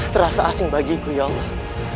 terasa asing bagiku ya allah